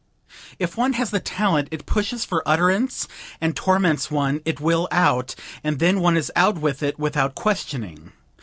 "If one has the talent it pushes for utterance and torments one; it will out; and then one is out with it without questioning.